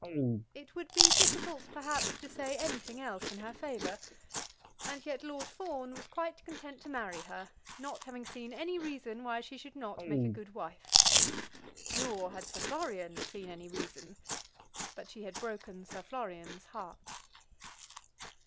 It would be difficult, perhaps, to say anything else in her favour; and yet Lord Fawn was quite content to marry her, not having seen any reason why she should not make a good wife! Nor had Sir Florian seen any reason; but she had broken Sir Florian's heart.